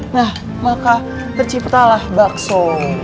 nah maka terciptalah bakso